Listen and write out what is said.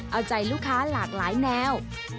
เอาใจลูกค้าหลากหลายแนว